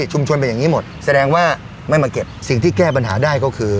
ชุมชนเป็นอย่างนี้หมดแสดงว่าไม่มาเก็บสิ่งที่แก้ปัญหาได้ก็คือ